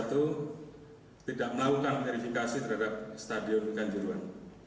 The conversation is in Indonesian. tidak melakukan verifikasi terhadap stadion kanjuruhan